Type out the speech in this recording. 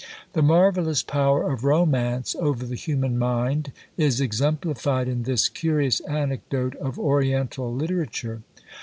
The marvellous power of romance over the human mind is exemplified in this curious anecdote of oriental literature.